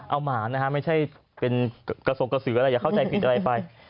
เอาหมานะฮะไม่ใช่เป็นกระทรงกระสืออะไรอย่าเข้าใจผิดอะไรไป